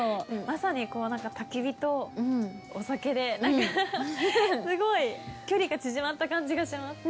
まさにこうなんか焚き火とお酒でなんかすごい距離が縮まった感じがします。